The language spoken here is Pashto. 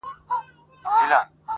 • غریب سړي ته بازار هم کوهستان دئ -